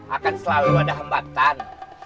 akan selalu ada hembatan